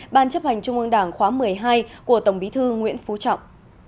ban chấp hành trung ương đảng khóa một mươi hai của tổng bí thư nguyễn phú trọng